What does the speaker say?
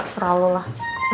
serah lu lah